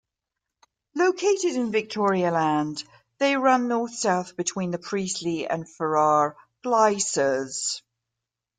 Located in Victoria Land, they run north-south between the Priestley and Ferrar glaicers.